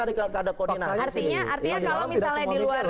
artinya kalau misalnya di luar